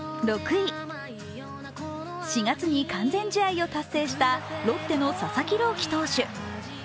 ４月に完全試合を達成したロッテの佐々木朗希選手。